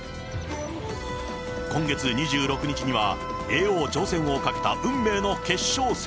今月２６日には、叡王挑戦をかけた運命の決勝戦。